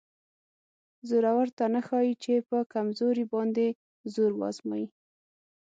زورور ته نه ښایي چې په کمزوري باندې زور وازمایي.